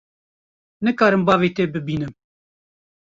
Nikarim bavê te bibînim.